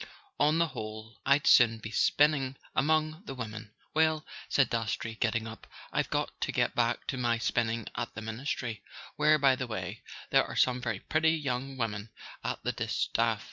On the whole I'd sooner be spinning among the women." "Well," said Dastrey, getting up, "I've got to get back to my spinning at the Ministry; where, by the way, there are some very pretty young women at the distaff.